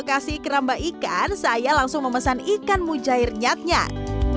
kalau mau makan di tempat keramba ikan saya langsung memesan ikan mujair nyat nyat